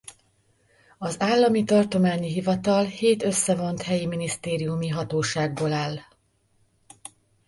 Az Állami Tartományi Hivatal hét összevont helyi minisztériumi hatóságból áll.